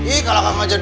ih kalahkan maja dong